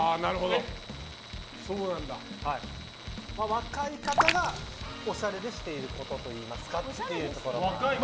若い方がおしゃれでしていることといいますかという。